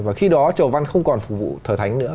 và khi đó trầu văn không còn phục vụ thờ thánh nữa